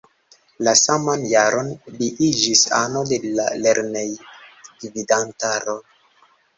La saman jaron li iĝis ano de la lernejgvidantaro.